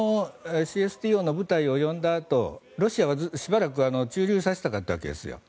そのＣＳＴＯの部隊を呼んだあとロシアはしばらく駐留させたかったわけですよ。